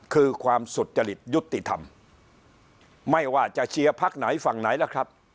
คือความสุจริตยุติธรรมไม่ว่าจะเชียร์พักไหนฝั่งไหนล่ะครับ